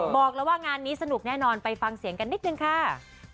บอกแล้วว่างานนี้สนุกแน่นอนไปฟังเสียงกันนิดนึงค่ะ